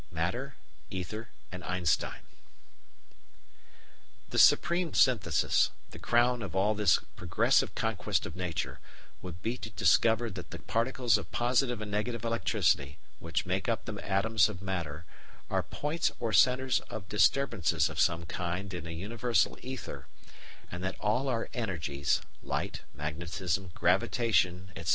§ 15 MATTER, ETHER, AND EINSTEIN The supreme synthesis, the crown of all this progressive conquest of nature, would be to discover that the particles of positive and negative electricity, which make up the atoms of matter, are points or centres of disturbances of some kind in a universal ether, and that all our "energies" (light, magnetism, gravitation, etc.)